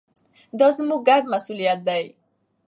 دا زموږ ګډ مسوولیت دی.